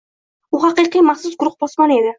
U haqiqiy maxsus guruh posboni edi